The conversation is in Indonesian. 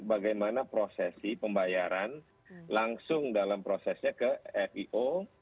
bagaimana prosesi pembayaran langsung dalam prosesnya ke fio